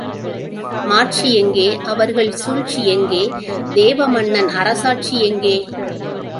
மாட்சிஎங் கேஅவர்கள் சூழ்ச்சிஎங் K? Deva மன்னன்அர சாட்சிஎங்கே?